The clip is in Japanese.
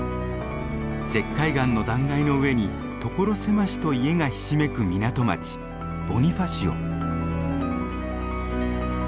石灰岩の断崖の上に所狭しと家がひしめく港町ボニファシオ。